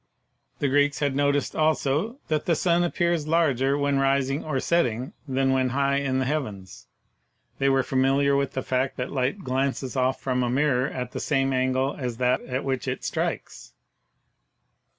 The Greeks had noticed, also, that the sun appears larger when rising or setting than when high in the heavens; they were familiar with the fact that light glances off from a mirror at the same angle as that at which it strikes.